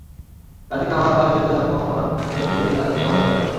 কাজী কামাল পালিয়ে যেতে সক্ষম হন, কিন্তু জুয়েল, আজাদসহ অনেকেই ধরা পড়েন।